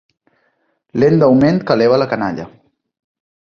Lent d'augment que eleva la canalla.